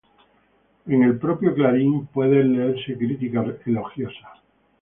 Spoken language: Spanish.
En el propio Clarín pueden leerse críticas elogiosas.